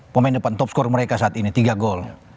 pemain depan top skor mereka saat ini tiga gol